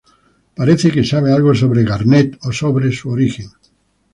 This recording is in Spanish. Parece que sabe algo sobre Garnet o sobre su origen.